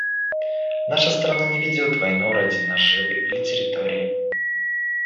«Наша страна не ведет войну ради наживы или территории.